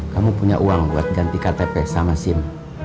kamu punya uang buat ganti ktp sama sim